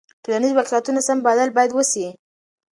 د ټولنیزو واقعیتونو سم بلل باید وسي.